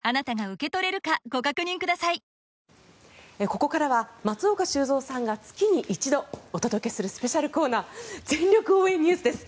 ここからは松岡修造さんが月に一度お届けするスペシャルコーナー全力応援ＮＥＷＳです。